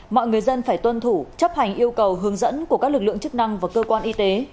mọi người dân phải tuân thủ chấp hành yêu cầu hướng dẫn của các lực lượng chức năng và cơ quan y tế